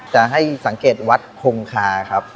จะให้สังเกตวัดคงคาครับ